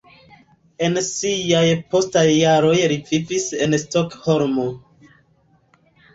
En siaj postaj jaroj li vivis en Stokholmo.